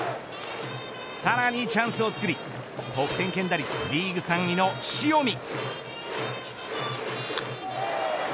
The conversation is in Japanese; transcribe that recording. さらにチャンスをつくり得点圏打率リーグ３位の塩見。